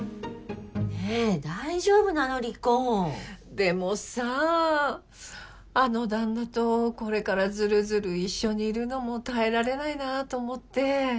でもさぁあの旦那とこれからずるずる一緒にいるのも耐えられないなぁと思って。